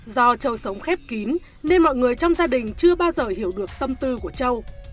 do châu sống khép kín nên mọi người trong gia đình chưa bao giờ hiểu được tâm tư của châu